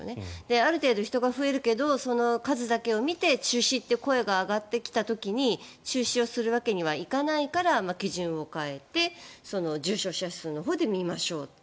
ある程度、人が増えるけど数だけを見て中止という声が上がってきた時に中止するわけにはいかないから基準を変えて、重症者数のほうで見ましょうって。